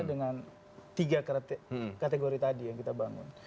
dengan tiga kategori tadi yang kita bangun